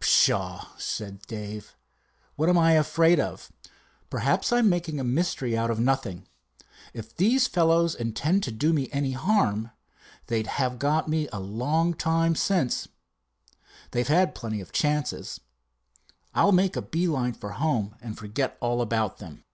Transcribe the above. "Pshaw!" said Dave, "what am I afraid of? Perhaps I'm making a mystery out of nothing. If those fellows intended to do me any harm, they'd have got at me long since. They've had plenty of chances. I'll make a bee line for home and forget all about them."